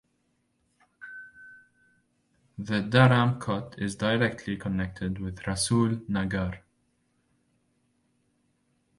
The Dharam Kot is directly connected with Rasool Nagar.